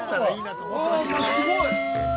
◆すごい！